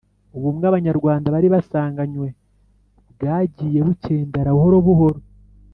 ubumwe abanyarwanda bari basanganywe bwagiye bukendera buhoro buhoro.